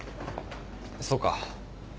そうか。